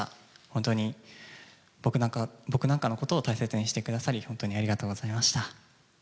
本当に僕なんかのことを大切にしてくださり、本当にありがとうございました。